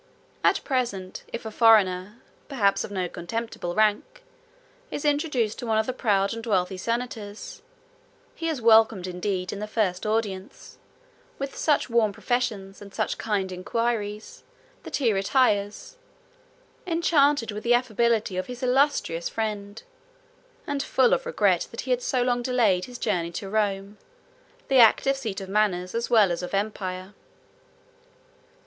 At present, if a foreigner, perhaps of no contemptible rank, is introduced to one of the proud and wealthy senators, he is welcomed indeed in the first audience, with such warm professions, and such kind inquiries, that he retires, enchanted with the affability of his illustrious friend, and full of regret that he had so long delayed his journey to Rome, the active seat of manners, as well as of empire.